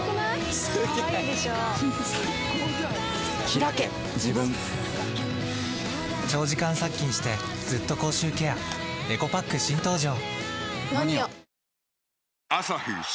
ひらけ自分長時間殺菌してずっと口臭ケアエコパック新登場！